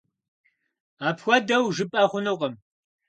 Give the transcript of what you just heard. Апхуэдэу жыпӀэ хъунукъым.